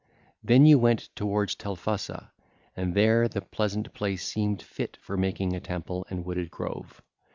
(ll. 244 253) Then you went towards Telphusa: and there the pleasant place seemed fit for making a temple and wooded grove.